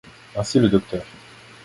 Ainsi le Dr.